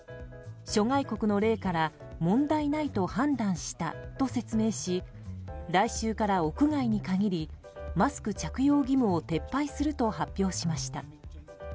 諸外国の例から問題ないと判断したと説明し来週から屋外に限りマスク着用義務を撤廃すると発表しました。